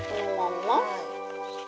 はい。